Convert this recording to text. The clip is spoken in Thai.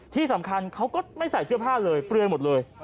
ที่สำคัญเขาก็ไม่ใส่เสื้อผ้าเลยเปลือยหมดเลย